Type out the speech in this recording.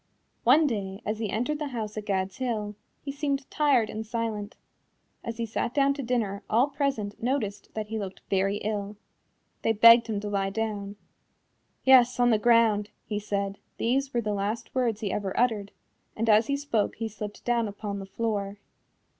One day as he entered the house at Gad's Hill, he seemed tired and silent. As he sat down to dinner all present noticed that he looked very ill. They begged him to lie down. "Yes, on the ground," he said these were the last words he ever uttered and as he spoke he slipped down upon the floor.